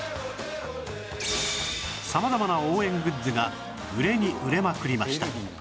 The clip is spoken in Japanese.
様々な応援グッズが売れに売れまくりました